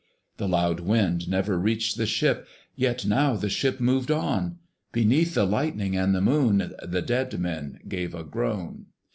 The loud wind never reached the ship, Yet now the ship moved on! Beneath the lightning and the Moon The dead men gave a groan.